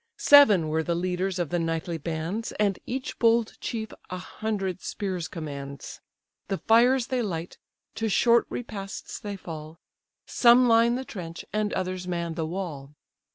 Seven were the leaders of the nightly bands, And each bold chief a hundred spears commands. The fires they light, to short repasts they fall, Some line the trench, and others man the wall.